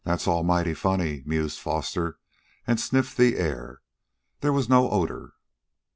"That's almighty funny," mused Foster, and sniffed the air. There was no odor.